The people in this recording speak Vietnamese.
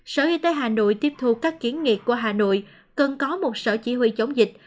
sở y tế hà nội tiếp thu các kiến nghị của hà nội cần có một sở chỉ huy chống dịch